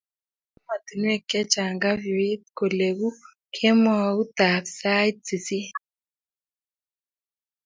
kiinde emetonwek che chang' kafyuit koleku kemoutab sait sisit